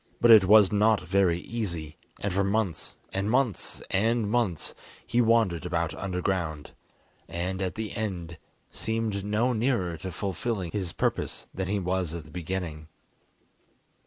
But it was not very easy, and for months, and months, and months, he wandered about underground, and, at the end, seemed no nearer to fulfilling his purpose than he was at the beginning.